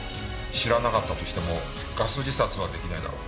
知らなかったとしてもガス自殺は出来ないだろう。